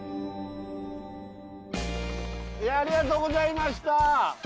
いやありがとうございました。